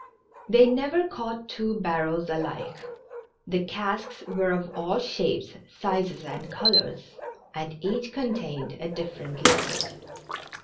They never caught two barrels alike ; the casks were of all shapes, sizes and colors, and each contained a different liquid.